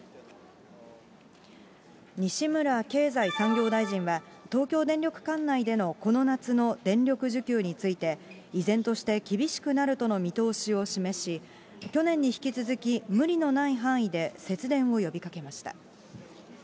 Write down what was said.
西村経済産業大臣は、東京電力管内でのこの夏の電力需給について、依然として厳しくなるとの見通しを示し、去年に引き続き無理のない範囲で節電を呼びかけました。